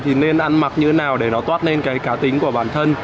thì nên ăn mặc như thế nào để nó toát lên cái cá tính của bản thân